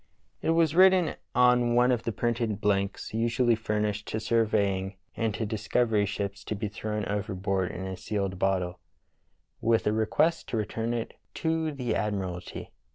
It was written on one of the printed blanks usually furnished to surveying and to discovery ships to be thrown overboard in a sealed bottle, with a request to return it to the admiralty.